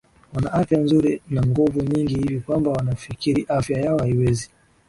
Wana afya nzuri na nguvu nyingi hivi kwamba wanafikiri afya yao haiwezi